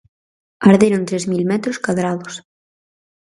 Arderon tres mil metros cadrados.